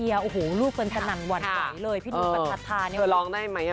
มาให้ช่วงเย็นด้านค่ะ